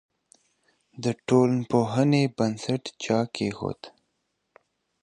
د ټولنپوهنې بنسټ چا کيښود؟